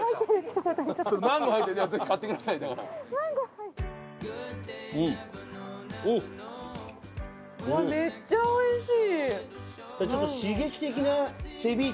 うわめっちゃおいしい！